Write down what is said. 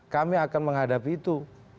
kami akan menghadapi itu